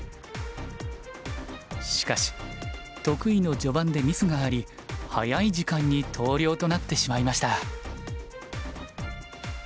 しかし得意の序盤でミスがあり早い時間に投了となってしまいました。